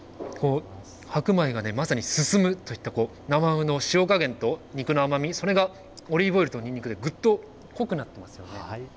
白米がまさに進むといった生ハムの塩加減と肉の甘み、それがオリーブオイルとニンニクでぐっと濃くなっていますよね。